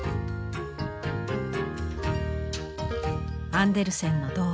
アンデルセンの童話